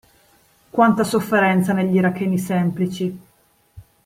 Quanta sofferenza negli iracheni semplici!